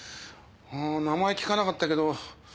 名前聞かなかったけど。